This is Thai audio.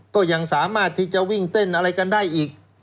ก็ยังสามารถที่จะวิ่งเต้นอะไรกันได้อีก